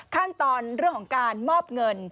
ขั้นตอนเรื่องของการมอบเงิน